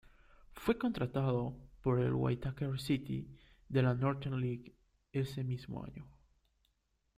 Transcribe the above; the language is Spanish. Fue contratado por el Waitakere City de la Northern League ese mismo año.